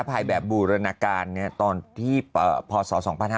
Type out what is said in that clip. ค่อยแบบบุรณการตอนที่พศ